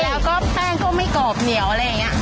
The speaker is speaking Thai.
แล้วก็แป้งก็ไม่กรอบเหนียวอะไรอย่างนี้